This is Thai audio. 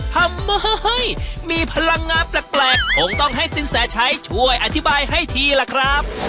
ทำไมมีพลังงานแปลกคงต้องให้สินแสชัยช่วยอธิบายให้ทีล่ะครับ